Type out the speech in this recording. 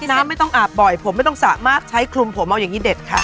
น้ำไม่ต้องอาบบ่อยผมไม่ต้องสามารถใช้คลุมผมเอาอย่างนี้เด็ดค่ะ